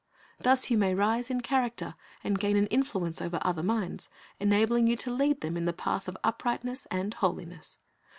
Thus you may rise in character, and gain an influence over other minds, enabling you to lead them in the path of uprightness and holiness.